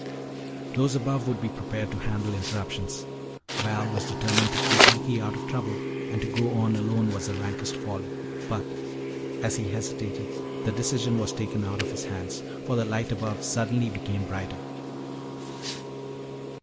Those above would be prepared to handle interruptions. Val was determined to keep Ricky out of trouble, and to go on alone was the rankest folly. But, as he hesitated, the decision was taken out of his hands, for the light above suddenly became brighter.